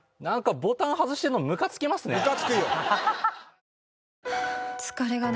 何かボタン外してんのムカつきますね